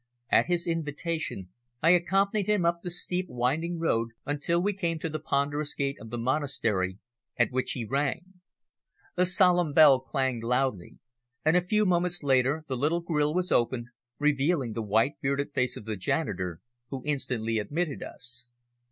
At his invitation I accompanied him up the steep, winding road until we came to the ponderous gate of the monastery, at which he rang. A solemn bell clanged loudly, and a few moments later the little grille was opened, revealing the white bearded face of the janitor, who instantly admitted us.